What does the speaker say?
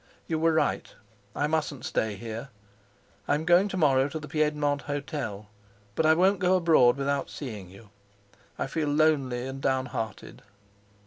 You were right, I mustn't stay here. I'm going to morrow to the Piedmont Hotel, but I won't go abroad without seeing you. I feel lonely and down hearted.